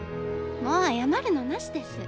もう謝るのナシです。